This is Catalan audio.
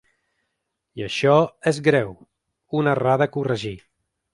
I això és greu, una errada a corregir.